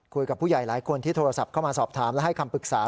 คุยกับผู้ใหญ่หลายคนที่โทรศัพท์เข้ามาสอบถามและให้คำปรึกษา